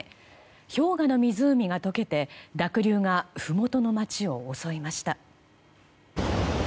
氷河の湖がとけて濁流がふもとの町を襲いました。